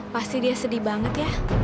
pasti dia sedih banget ya